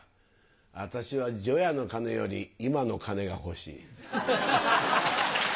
私は除夜のカネより今のカネが欲しい。